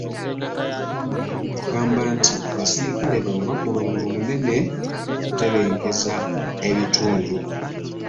Kayongo agamba nti abaserikale bano bakola omulimu munene okutebenkeza ebitundu